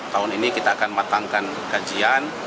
tahun ini kita akan matangkan kajian